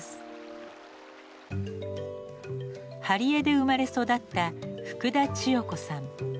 針江で生まれ育った福田千代子さん。